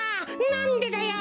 なんでだよ！